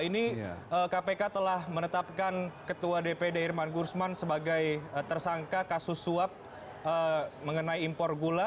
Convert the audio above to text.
ini kpk telah menetapkan ketua dpd irman gursman sebagai tersangka kasus suap mengenai impor gula